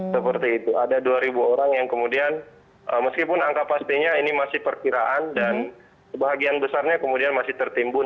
seperti itu ada dua orang yang kemudian meskipun angka pastinya ini masih perkiraan dan sebagian besarnya kemudian masih tertimbun